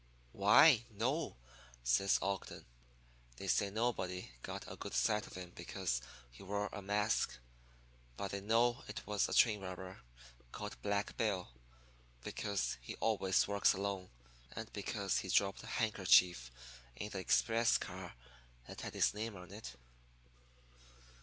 "'Why, no,' says Ogden; 'they say nobody got a good sight of him because he wore a mask. But they know it was a train robber called Black Bill, because he always works alone and because he dropped a handkerchief in the express car that had his name on it.'